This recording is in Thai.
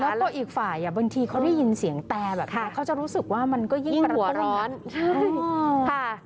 แล้วตัวอีกฝ่ายบางทีเขาได้ยินเสียงแตรแบบนี้เขาจะรู้สึกว่ามันก็ยิ่งร้อนใช่ค่ะ